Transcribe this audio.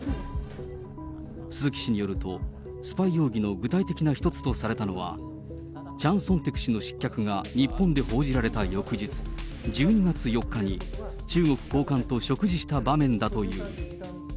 鈴木氏によると、スパイ容疑の具体的な一つとされたのは、チャン・ソンテク氏の失脚が日本で報じられた翌日１２月４日に中国高官と食事した場面だという。